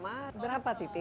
berlangsung berapa lama